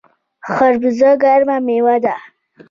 خربوزه ګرمه میوه ده